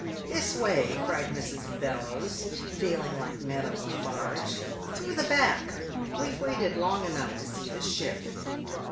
"This way!" cried Mrs. Bellowes, feeling like Madame Lafarge. "Through the back! We've waited long enough to see the ship.